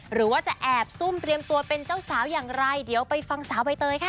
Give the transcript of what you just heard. หรือว่าจะแอบซุ่มเตรียมตัวเป็นเจ้าสาวอย่างไรเดี๋ยวไปฟังสาวใบเตยค่ะ